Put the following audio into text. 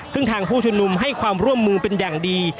ซึ่งทางผู้ชุมนุมให้ความร่วมมือเป็นอย่างดี